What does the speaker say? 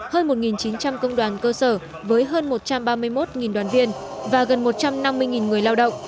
hơn một chín trăm linh công đoàn cơ sở với hơn một trăm ba mươi một đoàn viên và gần một trăm năm mươi người lao động